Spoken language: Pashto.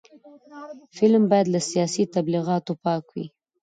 فلم باید له سیاسي تبلیغاتو پاک وي